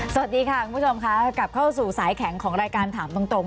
สวัสดีค่ะคุณผู้ชมค่ะกลับเข้าสู่สายแข็งของรายการถามตรง